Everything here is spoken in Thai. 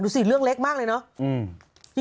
สิเรื่องเล็กมากเลยเนาะ